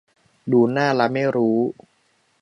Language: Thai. ดูหน้าละไม่รู้